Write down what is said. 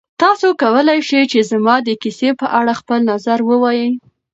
تاسو کولی شئ چې زما د کیسې په اړه خپل نظر ووایئ.